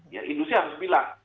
ya industri harus bilang